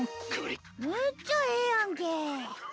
めっちゃええやんけ。